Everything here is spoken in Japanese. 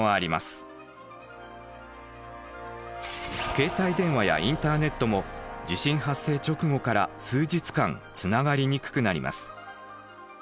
携帯電話やインターネットも地震発生直後から数日間つながりにくくなります。